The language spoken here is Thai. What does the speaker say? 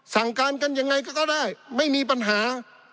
สั่งการกันยังไงก็ได้ไม่มีปัญหา